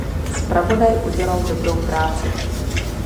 Zpravodaj udělal dobrou práci.